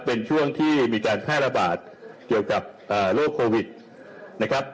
เป็นช่วงที่มีการแพร่ระบาดเกี่ยวกับโรคโควิดนะครับ